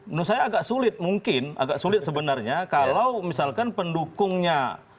menurut saya agak sulit mungkin agak sulit sebenarnya kalau misalkan pendukungnya